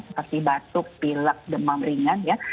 seperti batuk pilek demam ringan ya